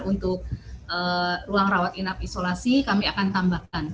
untuk ruang rawat inap isolasi kami akan tambahkan